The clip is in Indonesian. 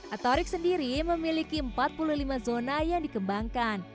atorik sendiri memiliki empat puluh lima zona yang dikembangkan